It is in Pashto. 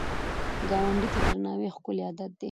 ګاونډي ته درناوی ښکلی عادت دی